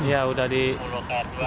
ya semua pintu sudah tutup semua